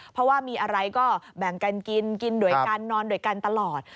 เพราะว่ามีอะไรก็แบ่งกันกินกินด้วยกันนอนด้วยกันตลอด